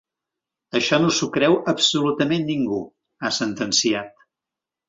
Això no s’ho creu absolutament ningú, ha sentenciat.